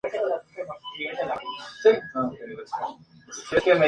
Es una de las principales calles comerciales de la ciudad.